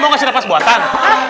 mau ngasih nafas buatan